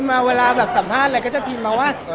พิมมาเวลาสัมภาษณ์ไรก็พิมมาว่า